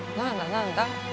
何だ？